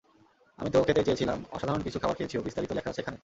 আমি তো খেতেই চেয়েছিলাম, অসাধারণ কিছু খাবার খেয়েছিও, বিস্তারিত লেখা আছে এখানে।